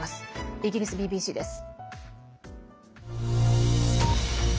イギリスＢＢＣです。